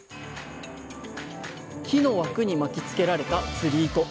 木の枠に巻きつけられた釣り糸。